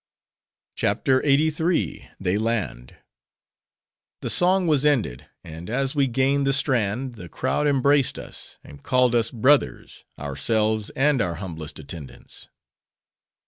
CHAPTER LXXXIII. They Land The song was ended; and as we gained the strand, the crowd embraced us; and called us brothers; ourselves and our humblest attendants.